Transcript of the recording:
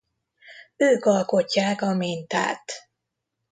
Ők alkotják a mintát.